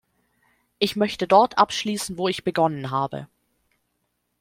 Ich möchte dort abschließen, wo ich begonnen habe.